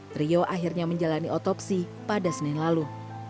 trio akhirnya menjalani otopsi pada senin lalu